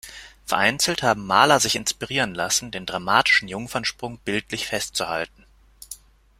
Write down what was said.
Vereinzelt haben Maler sich inspirieren lassen, den dramatischen „Jungfernsprung“ bildlich festzuhalten.